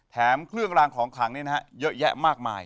แถมเครื่องรางของขังเนี่ยนะฮะเยอะแยะมากมาย